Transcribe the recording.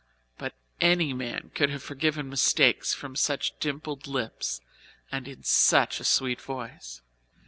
But any man could have forgiven mistakes from such dimpled lips in such a sweet voice.